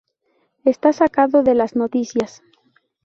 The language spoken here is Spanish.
Está sacado de las noticias.